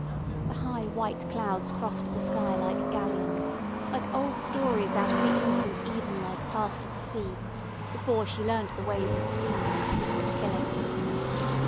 The high white clouds crossed the sky like galleons, like old stories out of the innocent Eden like past of the sea, before she learnt the ways of steam and secret killing.